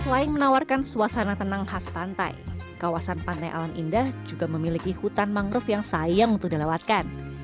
selain menawarkan suasana tenang khas pantai kawasan pantai alam indah juga memiliki hutan mangrove yang sayang untuk dilewatkan